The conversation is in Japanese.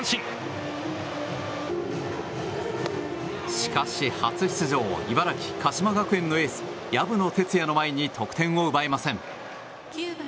しかし初出場、茨城・鹿島学園のエース、藪野を前に得点を奪えません。